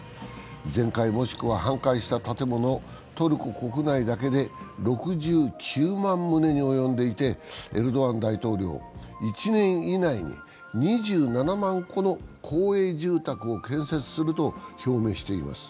全壊、もしくは半壊した建物、トルコ国内だけで６９万棟に及んでいてエルドアン大統領、１年以内に２７万戸の公営住宅を建設すると表明しています。